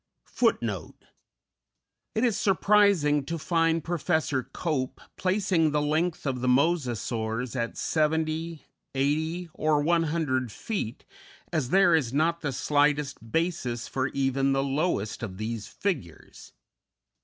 _It is surprising to find Professor Cope placing the length of the Mosasaurs at 70, 80, or 100 feet, as there is not the slightest basis for even the lowest of these figures.